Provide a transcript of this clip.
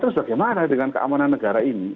terus bagaimana dengan keamanan negara ini